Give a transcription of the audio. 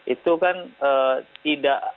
itu kan tidak